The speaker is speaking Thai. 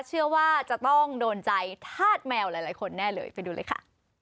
เชื่อว่าจะต้องโดนใจธาตุแมวหลายคนแน่เลยไปดูเลยค่ะ